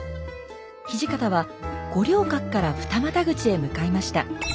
土方は五稜郭から二股口へ向かいました。